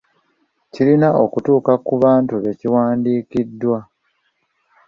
Kirina okutuukira ku bantu be kiwandiikiddwa.